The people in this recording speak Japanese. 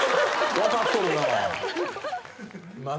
分かっとるな。